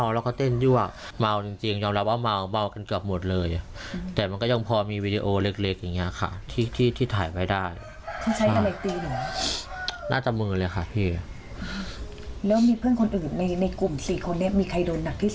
แล้วมีเพื่อนคนอื่นในกลุ่ม๔คนนี้มีใครโดนหนักที่สุด